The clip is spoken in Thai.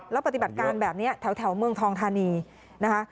แล้วปฏิบัติการแบบนี้แถวเมืองทองธานีนะคะ